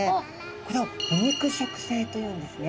これを腐肉食性というんですね。